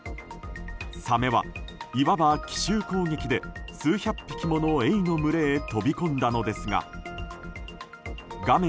サメは、いわば奇襲攻撃で数百匹ものエイの群れへ飛び込んだのですが画面